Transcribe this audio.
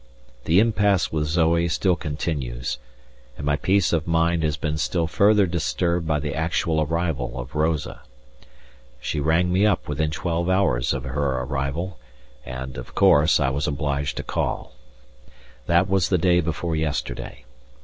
The impasse with Zoe still continues, and my peace of mind has been still further disturbed by the actual arrival of Rosa. She rang me up within twelve hours of her arrival, and, of course, I was obliged to call. That was the day before yesterday.